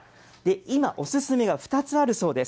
今、お勧めが２つあるそうです。